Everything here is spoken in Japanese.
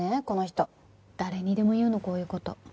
この人誰にでも言うのこういう事。